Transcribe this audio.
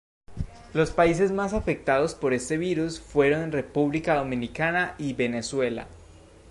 Los países más afectados por este virus fueron República Dominicana y Venezuela.